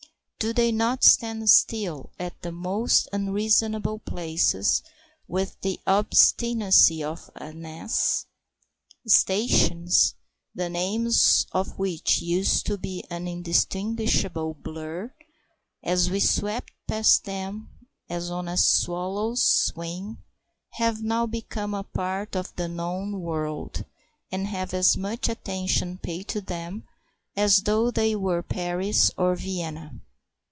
Do they not stand still at the most unreasonable places with the obstinacy of an ass? Stations, the names of which used to be an indistinguishable blur as we swept past them as on a swallow's wing, have now become a part of the known world, and have as much attention paid to them as though they were Paris or Vienna.